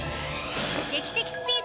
劇的スピード！